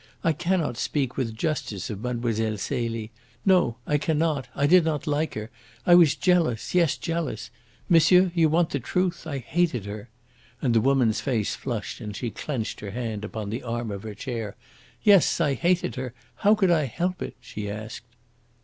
I cannot speak with justice of Mlle. Celie. No, I cannot! I did not like her. I was jealous yes, jealous. Monsieur, you want the truth I hated her!" And the woman's face flushed and she clenched her hand upon the arm of her chair. "Yes, I hated her. How could I help it?" she asked.